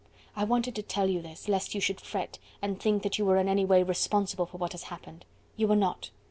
I wanted to tell you this, lest you should fret, and think that you were in any way responsible for what has happened.... You were not....